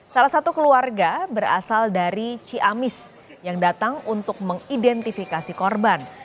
salah satu keluarga berasal dari ciamis yang datang untuk mengidentifikasi korban